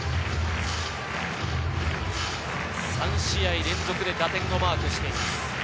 ３試合連続で打点をマークしています。